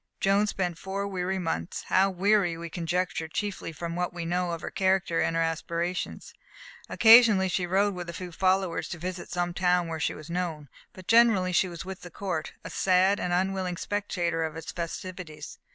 Joan spent four weary months how weary we conjecture chiefly from what we know of her character and her aspirations. Occasionally she rode with a few followers to visit some town where she was known, but generally she was with the Court, a sad and unwilling spectator of its festivities.